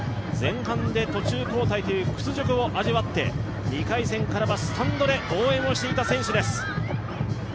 前半で途中交代という屈辱を味わって２回戦からはスタンドで応援していた選手です。